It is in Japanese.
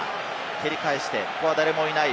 蹴り返して、ここは誰もいない。